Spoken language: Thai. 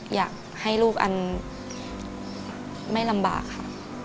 อยากให้ลูกอันไม่ลำบากค่ะ